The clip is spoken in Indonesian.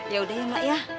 yaudah ya mak ya